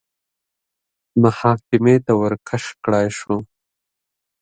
محاکمې ته ورکش کړای شو